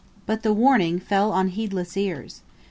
But the warning fell on heedless ears.